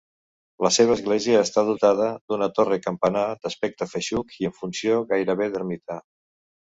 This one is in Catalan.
La seva església està dotada d'una torre-campanar d'aspecte feixuc i amb funció gairebé d'ermita.